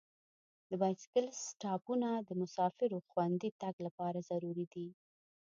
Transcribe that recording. د بایسکل سټاپونه د مسافرو خوندي تګ لپاره ضروري دي.